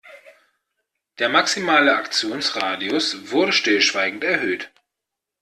Der maximale Aktionsradius wurde stillschweigend erhöht.